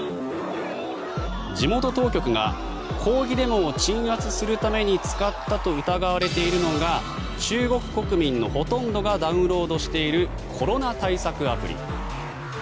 地元当局が抗議デモを鎮圧するために使ったと疑われているのが中国国民のほとんどがダウンロードしているコロナ対策アプリ。